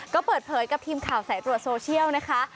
ก็เปิดเผยกับทีมข่าวสายตรวจโซเชียลนะคะ